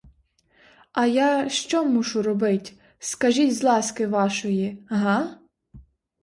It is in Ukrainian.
А я що мушу робить, скажіть з ласки вашої, га?